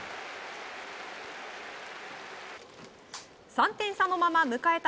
３点差のまま迎えた